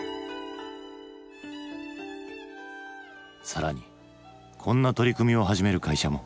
更にこんな取り組みを始める会社も。